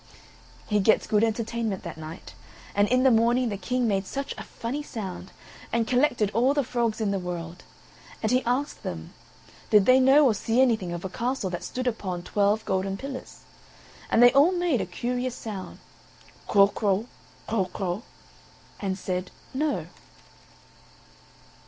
He gets good entertainment that night; and in the morning the King made such a funny sound, and collected all the frogs in the world. And he asked them, did they know or see anything of a castle that stood upon twelve golden pillars; and they all made a curious sound, Kro kro, kro kro, and said, No.